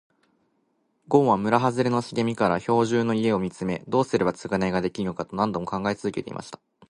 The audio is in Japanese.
ごんは村はずれの茂みから兵十の家を見つめ、どうすれば償いができるのかと何度も考え続けていました。